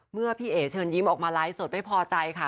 เมื่อพี่เอ๋เชิญยิ้มออกมาไลฟ์สดไม่พอใจค่ะ